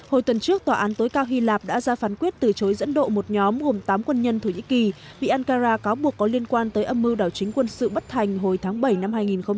hồi tuần trước tòa án tối cao hy lạp đã ra phán quyết từ chối dẫn độ một nhóm gồm tám quân nhân thổ nhĩ kỳ bị ankara cáo buộc có liên quan tới âm mưu đảo chính quân sự bất thành hồi tháng bảy năm hai nghìn một mươi tám